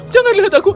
jangan lihat aku